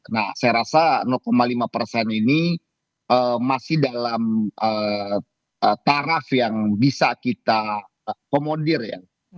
nah saya rasa lima persen ini masih dalam taraf yang bisa kita komodir ya